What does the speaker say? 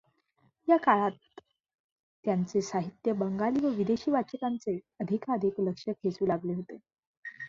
या काळात त्यांचे साहित्य बंगाली व विदेशी वाचकांचे आधिकाधिक लक्ष खेचू लागले होते.